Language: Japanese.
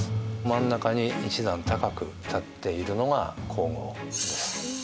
真ん中に一段高く立っているのが皇后です。